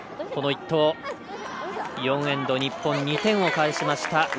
この１投、４エンド、日本２点を返しました。